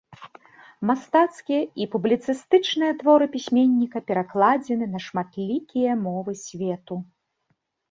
Мастацкія і публіцыстычныя творы пісьменніка перакладзены на шматлікія мовы свету.